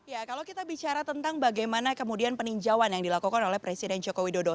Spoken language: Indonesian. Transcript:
ya kalau kita bicara tentang bagaimana kemudian peninjauan yang dilakukan oleh presiden joko widodo